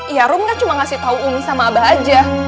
iya rum kan cuma ngasih tahu umi sama abah aja